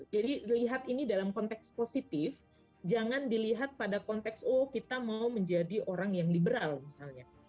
jadi lihat ini dalam konteks positif jangan dilihat pada konteks oh kita mau menjadi orang yang liberal misalnya